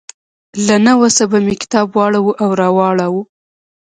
له نه وسه به مې کتاب واړاوه او راواړاوه.